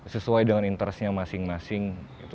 sesuai dengan interestnya masing masing